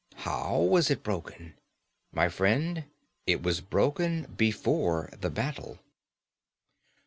How was it broken? My friend, it was broken before the battle."